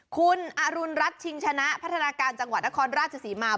คุณอรุณรัฐชิงชนะพัฒนาการจังหวัดนครราชศรีมา